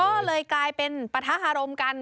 ก็เลยกลายเป็นปะทะฮารมกัน